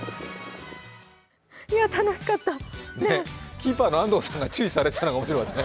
キーパーの安藤さんが注意されていたのが面白かったね。